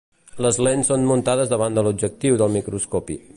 Les lents són muntades davant de l'objectiu del microscopi.